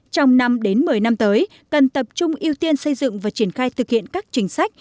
trong năm đến một mươi năm tới cần tập trung ưu tiên xây dựng và triển khai thực hiện các chính sách